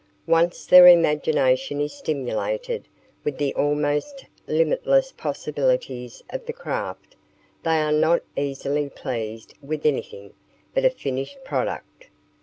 Once their imagination is stimulated with the almost limitless possibilities of the craft, they are not easily pleased with anything but a finished product.